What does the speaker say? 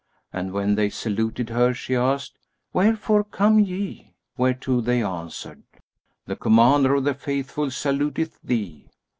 And when they saluted her, she asked, "Wherefore come ye?"; whereto they answered, "The Commander of the Faithful saluteth thee.